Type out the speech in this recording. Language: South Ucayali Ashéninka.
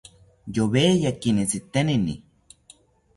Yoweyakini tzitenini